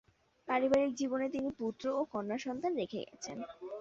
পারিবারিক জীবনে তিনি পুত্র ও কন্যা সন্তান রেখে গেছেন।